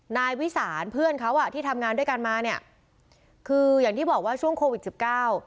นายวิสานเพื่อนเขาอ่ะที่ทำงานด้วยกันมาเนี่ยคืออย่างที่บอกว่าช่วงโควิดสิบเก้า